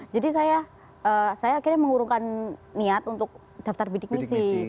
jadi saya akhirnya mengurungkan niat untuk daftar bidik misi